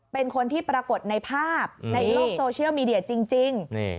เป็นคนที่ปรากฏในภาพในโลกโซเชียลมีเดียจริง